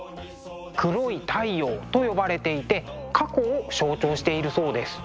黒い太陽と呼ばれていて過去を象徴しているそうです。